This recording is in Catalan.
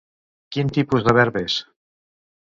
Quin tipus de verb és?